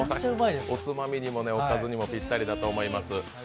おつまみにもおかずにもぴったりだと思います。